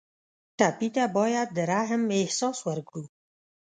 ټپي ته باید د رحم احساس ورکړو.